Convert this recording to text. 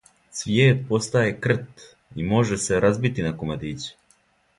Цвијет постаје крт и може се разбити на комадиће.